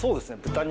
豚肉？